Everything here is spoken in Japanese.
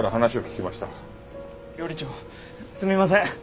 料理長すみません！